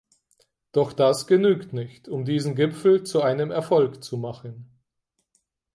Doch das genügt nicht, um diesen Gipfel zu einem Erfolg zu machen.